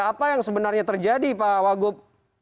apa yang sebenarnya terjadi pak wagub